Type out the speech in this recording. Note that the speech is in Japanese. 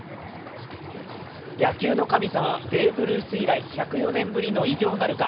野球の神様、ベーブ・ルース以来、１０４年ぶりの偉業なるか。